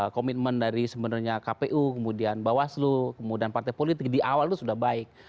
komitmen dari sebenarnya kpu kemudian bawaslu kemudian partai politik di awal itu sudah baik